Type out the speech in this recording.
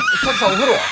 お風呂は？